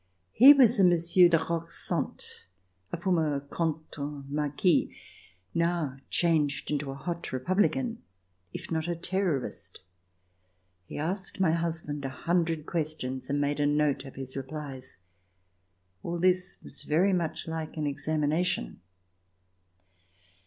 He was a Monsieur de Roquesante, a former Comte or Marquis, now changed into a hot Republican, if not a Terrorist. He asked my husband a hundred questions and made a note of his replies. All this was very much like an examination.